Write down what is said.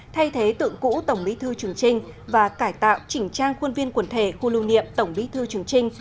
thay thế tượng cũ tổng bí thư trường trinh và cải tạo chỉnh trang khuôn viên quần thể khu lưu niệm tổng bí thư trường trinh